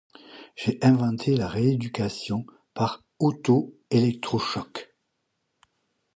J'ai inventé la rééducation par autoélectrochocs.